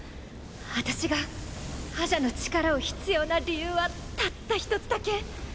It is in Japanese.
私が破邪の力を必要な理由はたった１つだけ。